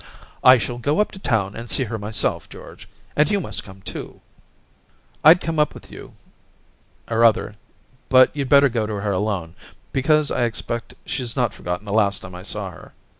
' I shall go up to town and see her myself, George ; and you must come too.' ' rU come up with you, nf other, but you'd better go to her alone, because I expect she's not forgotten the last time I saw her.